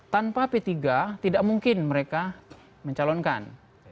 tanpa p tiga tidak mungkin mereka mencalonkan